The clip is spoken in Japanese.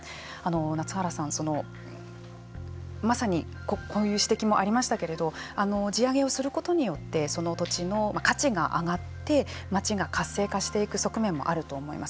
夏原さん、まさに、こういう指摘もありましたけれども地上げをすることによってその土地の価値が上がって町が活性化していく側面もあると思います。